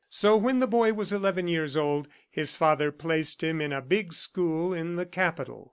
So when the boy was eleven years old, his father placed him in a big school in the Capital.